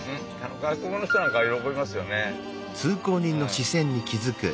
外国の人なんか喜びますよねうん。